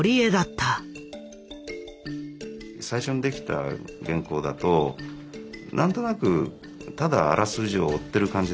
最初に出来た原稿だと何となくただあらすじを追ってる感じだった。